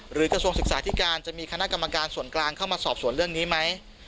กระทรวงศึกษาธิการจะมีคณะกรรมการส่วนกลางเข้ามาสอบสวนเรื่องนี้ไหม